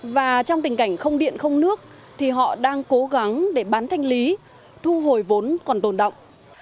và trong tình cảnh không điện không nước thì họ đang cố gắng để bán thanh lý thu hồi vốn còn tồn động